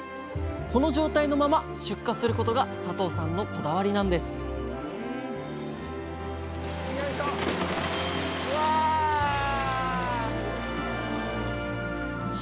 この状態のまま出荷することが佐藤さんのこだわりなんですよいしょ。